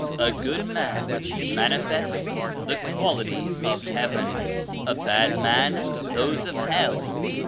A good man manifests the jQualities of Heaven; a bad man those of Hell.